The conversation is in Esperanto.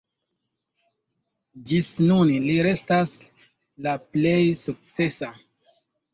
Ĝis nun li restas la plej sukcesa.